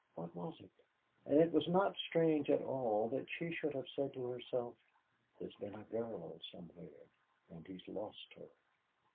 What was it? And it was not strange at all that she should have said to herself, "There's been a girl somewhere, and he's lost her."